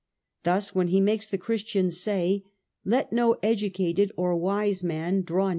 Thus, when he makes the Christians say, ' Let no educated or wise man draw A.